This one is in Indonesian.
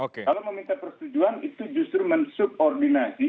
kalau meminta persetujuan itu justru mensubordinasi